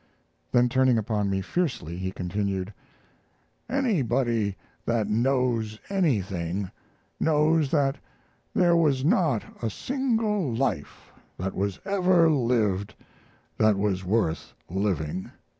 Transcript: Then turning upon me fiercely, he continued: "Anybody that knows anything knows that there was not a single life that was ever lived that was worth living.